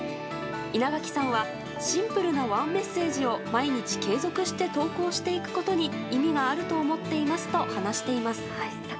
稲垣さんはシンプルなワンメッセージを毎日継続して投稿していくことに意味があると思っていますと話しています。